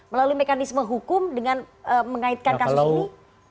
melalui mekanisme hukum dengan mengaitkan kasus ini